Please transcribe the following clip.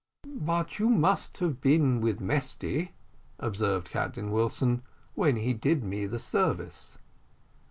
"But you must have been with Mesty," observed Captain Wilson, "when he did me the service."